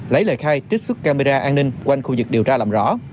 lấy lời khai trích xuất camera an ninh quanh khu vực điều tra làm rõ